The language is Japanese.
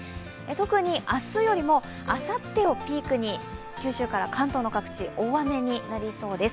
特に明日よりもあさってをピークに九州から関東の各地、大雨になりそうです。